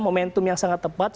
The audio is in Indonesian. momentum yang sangat tepat